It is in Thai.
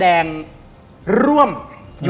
ดิงกระพวน